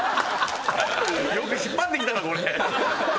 よく引っ張ってきたなこれ。